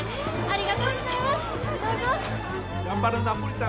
ありがとうございます。